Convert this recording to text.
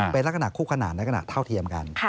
เป็นลักษณะคู่ขนาดและขนาดเท่าเทียมกัน